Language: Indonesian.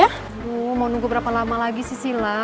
aduh mau nunggu berapa lama lagi sih silah